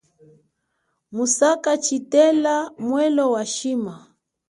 Musaka tshitela welo wa shima.